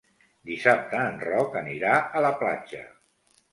Dissabte en Roc anirà a la platja.